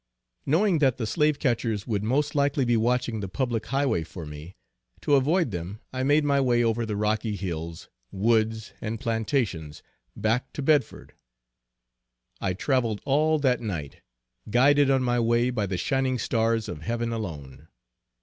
Knowing that the slave catchers would most likely be watching the public highway for me, to avoid them I made my way over the rocky hills, woods and plantations, back to Bedford. I travelled all that night, guided on my way by the shining stars of heaven alone.